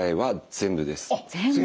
全部。